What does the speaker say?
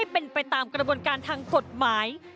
เป็นไปตามกระบวนการทางกฎหมาย